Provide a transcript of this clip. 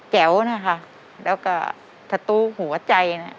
แก๋วนะคะแล้วก็ธัตุหัวใจ